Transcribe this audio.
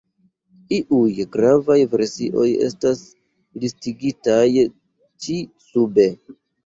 Iuj gravaj versioj estas listigitaj ĉi sube.